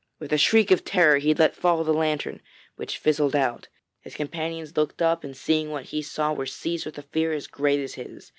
With a shriek of terror he let fall the lantern, which fizzled out. His companions looked up, and, seeing what he saw, were seized with a fear as great as his.